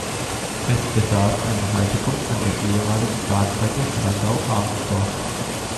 Es besaß einen Haltepunkt an der ehemaligen Bahnstrecke Landau–Arnstorf.